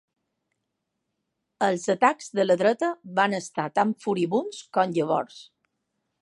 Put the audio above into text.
Els atacs de la dreta van estar tan furibunds com llavors.